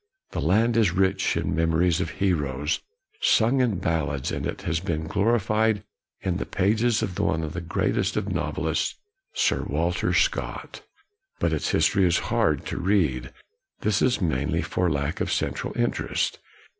The land is rich in memories of heroes, sung in ballads; and it has been glorified in the pages of one of the great est of novelists, Sir Walter Scott. But its history is hard to read. This is mainly for lack of central interest.